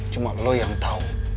cuma lo yang tau